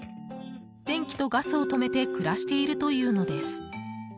電気とガスを止めて暮らしているというのです。